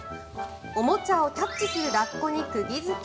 おもちゃをキャッチするラッコに釘付け。